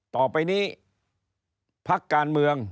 ต่อไปนี้พักการเมือง